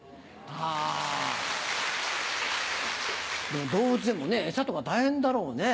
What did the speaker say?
でも動物園も餌とか大変だろうね。